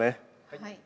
はい。